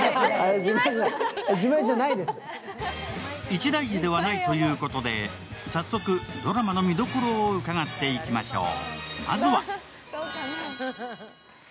一大事ではないということで早速ドラマの見どころを伺っていきましょう。